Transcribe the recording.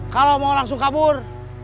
kalau mau langsung kabur